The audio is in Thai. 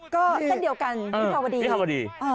ก็นิดเดียวกันวิทยาวาดีอ่อวิทยาวาดีอ่อ